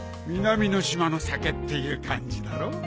南の島の酒っていう感じだろ？